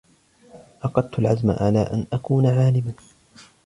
عقدتُ العزم على أن أكون عالمًا.